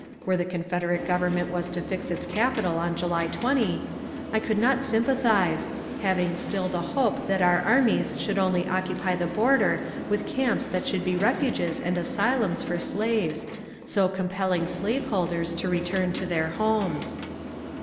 " (where the Confederate govern ment was to fix its capital on July 20) I could not sympa thize, having still the hope that our armies should only occupy the border with camps that should be refuges and asylums for slaves, so compelling slaveholders to return to their homes.